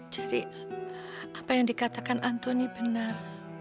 jadi apa yang dikatakan antoni benar